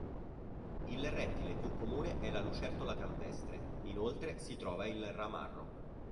Il rettile più comune è la lucertola campestre, inoltre si trova il ramarro.